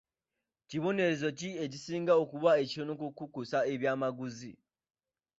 Kibonerezo ki ekisinga okuba ekitono ku kukusa eby'amaguzi?